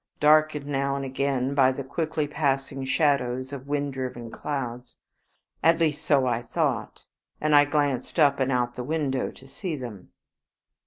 darkened now and again by the quickly passing shadows of wind driven clouds. At least so I thought, and I glanced up and out of the window to see them.